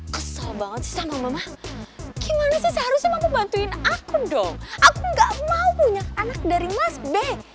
kesel banget sih sama mama gimana sih seharusnya mau bantuin aku dong aku gak mau punya anak dari mas band